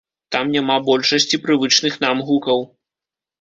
Там няма большасці прывычных нам гукаў.